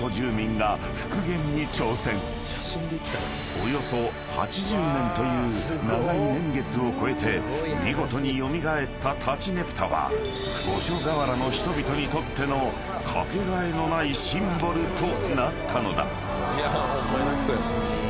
［およそ８０年という長い年月を超えて見事に蘇った立佞武多は五所川原の人々にとってのかけがえのないシンボルとなったのだ］